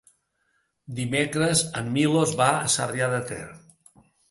Dimecres en Milos va a Sarrià de Ter.